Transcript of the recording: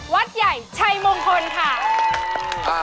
วัดใหญ่ชัยมงคลค่ะ